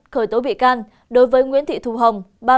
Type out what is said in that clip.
khởi tố bị can đối với nguyễn thị thu hồng